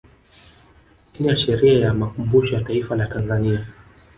Chini ya sheria ya makumbusho ya Taifa la Tanzania